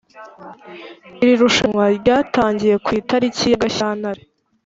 Iri rushanwa ryatangiye ku itarikiya Gashyantare